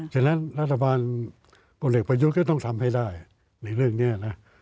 ฉะนั้นรัฐบาลพลเอกประยุทธ์ก็ต้องทำให้ได้ในเรื่องนี้นะ